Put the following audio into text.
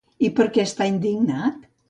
I per què està indignat?